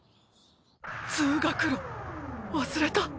通学路忘れた。